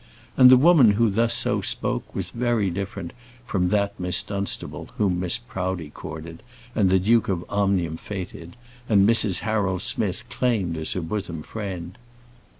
And the woman who thus so spoke was very different from that Miss Dunstable whom Mrs. Proudie courted, and the Duke of Omnium fêted, and Mrs. Harold Smith claimed as her bosom friend.